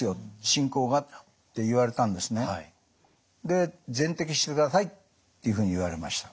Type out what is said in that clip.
で全摘してくださいっていうふうに言われました。